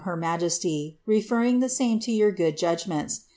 56 nuqeftf, referring the same to your good judgments.